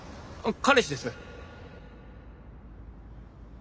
彼氏です。